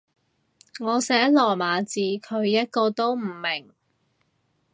我寫羅馬字，佢一個都唔明